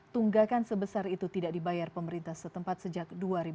tunggakan sebesar itu tidak dibayar pemerintah setempat sejak dua ribu dua